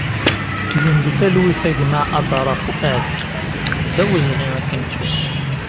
Gen di talwit a gma Adara Fuad, d awezɣi ad k-nettu!